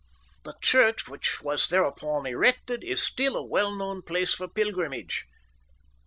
The church which was thereupon erected is still a well known place for pilgrimage.